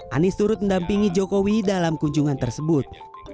anies turut mendampingi jokowi dalam kunjungan tersebut